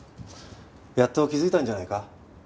やっと気づいたんじゃないか？